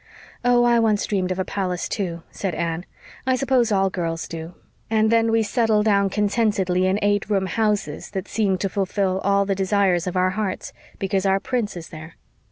"Oh, I once dreamed of a palace, too," said Anne. "I suppose all girls do. And then we settle down contentedly in eight room houses that seem to fulfill all the desires of our hearts because our prince is there.